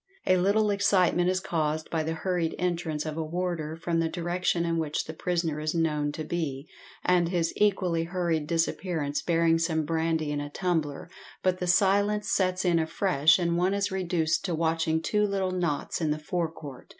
A little excitement is caused by the hurried entrance of a warder from the direction in which the prisoner is known to be, and his equally hurried disappearance bearing some brandy in a tumbler, but the silence sets in afresh, and one is reduced to watching two little knots in the fore court.